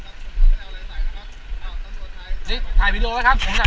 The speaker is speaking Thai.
นี่ถ่ายวีดีโอไหมครับ